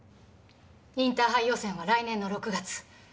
インターハイ予選は来年の６月。